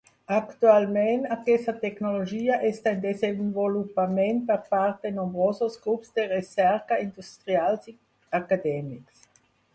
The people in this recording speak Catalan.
Actualment, aquesta tecnologia està en desenvolupament per part de nombrosos grups de recerca industrials i acadèmics.